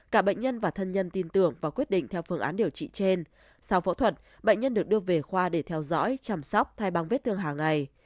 cả bệnh nhân và thân nhân tin tưởng và quyết định theo phương án điều trị trên sau phẫu thuật bệnh nhân được đưa về khoa để theo dõi chăm sóc thay bằng vết thương hàng ngày